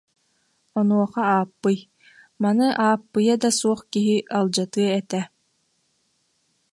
Онуоха Ааппый: «Маны Ааппыйа да суох киһи алдьатыа этэ»